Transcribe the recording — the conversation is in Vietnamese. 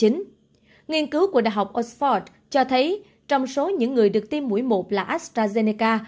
nghiên cứu của đh oxford cho thấy trong số những người được tiêm mũi một là astrazeneca